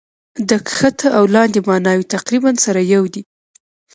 د کښته او لاندي ماناوي تقريباً سره يو دي.